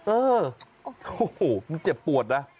เออโอ้โหมันเจ็บปวดนะ